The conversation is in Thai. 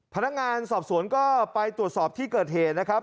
พนักงานสอบสวนก็ไปตรวจสอบที่เกิดเหตุนะครับ